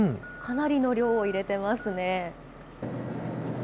かなりの量を入れてますね。